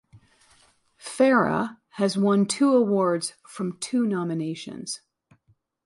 Farah has won two awards from two nominations.